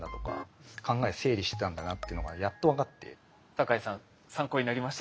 坂井さん参考になりました？